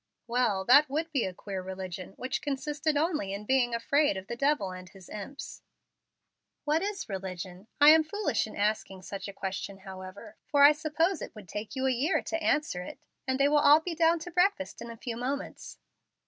"Well, that would be a queer religion which consisted only in being afraid of the devil and his imps." "What is religion? I am foolish in asking such a question however, for I suppose it would take you a year to answer it, and they will all be down to breakfast in a few moments."